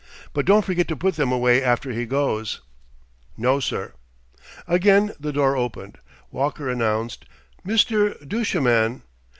But don't forget to put them away after he goes." "No, sir." Again the door opened. Walker announced: "Mr. Duchemin."